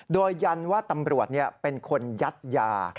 โดยยันว่าตำรวจเป็นคนยัดยา